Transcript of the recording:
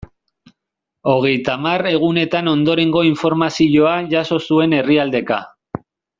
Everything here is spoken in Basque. Hogeita hamar egunetan ondorengo informazioa jaso zuen herrialdeka.